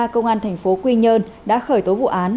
công an tp quy nhơn đã khởi tố vụ án